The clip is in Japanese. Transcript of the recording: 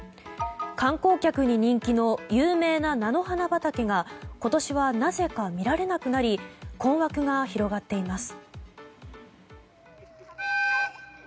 観光客に人気の有名な菜の花畑が今年は、なぜか見られなくなり困惑が広がっています。